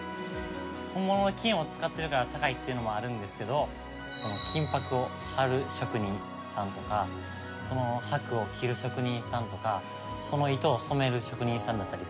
本物の金を使ってるから高いっていうのもあるんですけど金箔を貼る職人さんとかその箔を切る職人さんとかその糸を染める職人さんだったり。